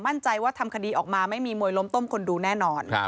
มั่นใจว่าทำคดีออกมาไม่มีมวยล้มต้มคนดูแน่นอน